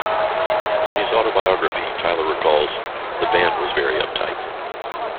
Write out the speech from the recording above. In his autobiography Tyler recalls, "The band was very uptight.